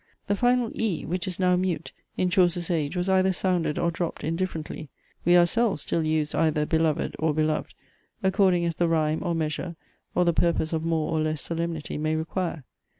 The final e, which is now mute, in Chaucer's age was either sounded or dropt indifferently. We ourselves still use either "beloved" or "belov'd" according as the rhyme, or measure, or the purpose of more or less solemnity may require.